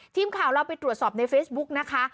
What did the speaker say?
ทีมข่าวเราไปตรวจสอบในเฟซบุ๊กนะคะ